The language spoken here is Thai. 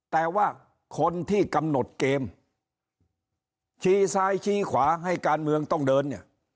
แต่ว่าคนที่กำหนดเกมชี้ซ้ายชี้ขวาให้การเมืองต้องเดินเนี่ย